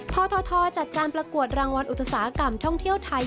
ททจัดการประกวดรางวัลอุตสาหกรรมท่องเที่ยวไทย